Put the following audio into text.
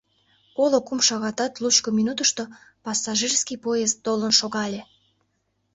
Коло кум шагатат лучко минутышто пассажирский поезд толын шогале.